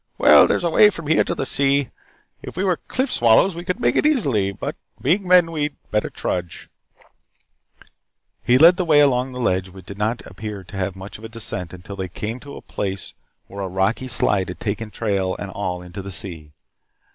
Well, there's a way from here to the sea. If we were cliff swallows we could make it easily. But being men we had better trudge "He led the way along the ledge which did not appear to have much of a descent until they came to a place where a rocky slide had taken trail and all into the sea.